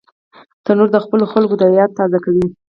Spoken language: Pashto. تنور د خپلو خلکو یاد تازه کوي